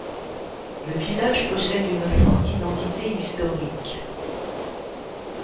Le village possède une forte identité historique.